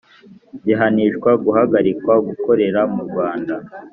gihanishwa guhagarikwa gukorera mu Rwanda